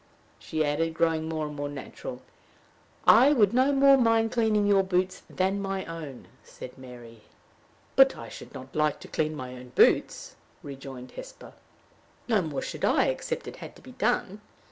she added, growing more and more natural. "I would no more mind cleaning your boots than my own," said Mary. "But I should not like to clean my own boots," rejoined Hesper. "No more should I, except it had to be done.